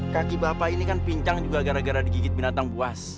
kaki bapak ini kan pincang juga gara gara digigit binatang buas